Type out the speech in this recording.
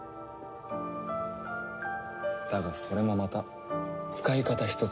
だがそれもまた使い方ひとつだ。